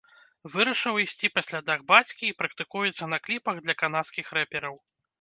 Вырашыў ісці па слядах бацькі і практыкуецца на кліпах для канадскіх рэпераў.